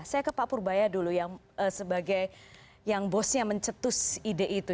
saya ke pak purbaya dulu yang sebagai yang bosnya mencetus ide itu